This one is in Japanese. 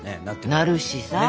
なるしさ。